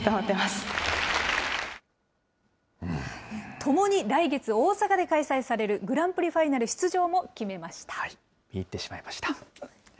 ともに来月大阪で開催されるグランプリファイナル出場も決め見入ってしまいました。